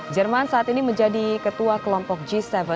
jerman saat ini menjadi ketua kelompok g tujuh